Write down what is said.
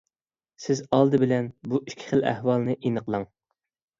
سىز ئالدى بىلەن بۇ ئىككى خىل ئەھۋالنى ئېنىقلاڭ.